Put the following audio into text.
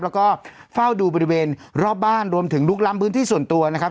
แล้วก็เฝ้าดูบริเวณรอบบ้านรวมถึงลุกล้ำพื้นที่ส่วนตัวนะครับ